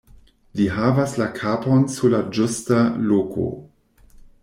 Li havas la kapon sur la ĝusta loko.